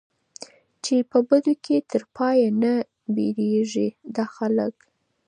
ځي په بدو کي تر پايه نه بېرېږي دا خلک